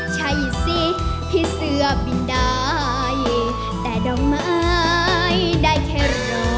ใช่สิพี่เสื้อบินได้แต่ดอกไม้ได้แค่รอ